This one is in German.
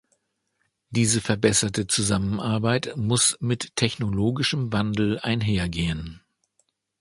Diese verbesserte Zusammenarbeit muss mit technologischem Wandel einhergehen.